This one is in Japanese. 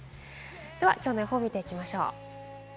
きょうの予報を見ていきましょう。